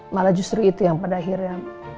malah justru itu yang pada akhirnya